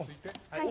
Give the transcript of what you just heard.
はい。